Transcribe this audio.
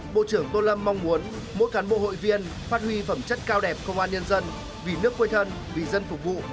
bộ trưởng tô lâm mong muốn mỗi cán bộ hội viên phát huy phẩm chất cao đẹp công an nhân dân vì nước quê thân vì dân phục vụ